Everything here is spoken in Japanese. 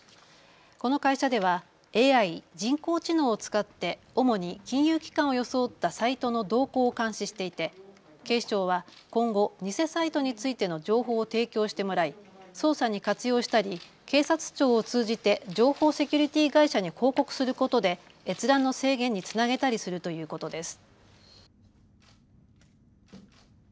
この会社ではＡＩ・人工知能を使って主に金融機関を装ったサイトの動向を監視していて警視庁は今後、偽サイトについての情報を提供してもらい捜査に活用したり警察庁を通じて情報セキュリティー会社に報告することで閲覧の制限につなげたりするということです。